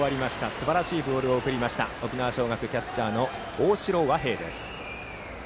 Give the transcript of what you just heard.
すばらしいボールを送りました沖縄尚学キャッチャーの大城和平。